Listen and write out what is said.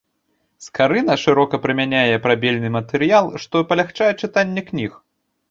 Скарына шырока прымяняе прабельны матэрыял, што палягчае чытанне кніг.